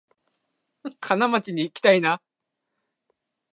金町にいきたいな